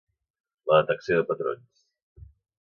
la detecció de patrons